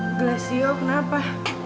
eh gelasio kenapa